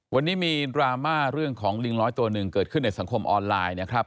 วันนี้มีดราม่าเรื่องของลิงน้อยตัวหนึ่งเกิดขึ้นในสังคมออนไลน์นะครับ